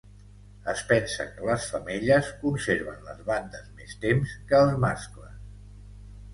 Es pensa que les femelles conserven les bandes més temps que els mascles.